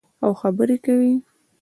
او خبرې کوي.